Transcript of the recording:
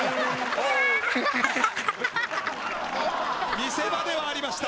見せ場ではありました。